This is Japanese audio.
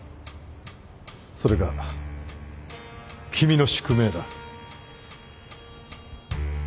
それが君の宿命だ